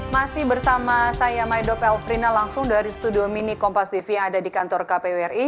masih bersama saya maido pelfrina langsung dari studio mini kompas tv yang ada di kantor kpwri